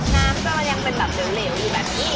น้ำก็ยังเป็นแบบเหลวอยู่แบบนี้